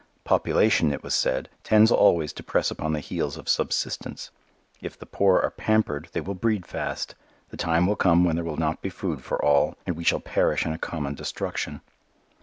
Population, it was said, tends always to press upon the heels of subsistence. If the poor are pampered, they will breed fast: the time will come when there will not be food for all and we shall perish in a common destruction.